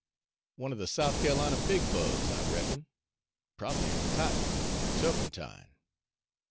"One of the South Ca'lina bigbugs, I reckon probably in cotton, or turpentine."